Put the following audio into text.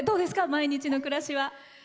毎日の暮らしは。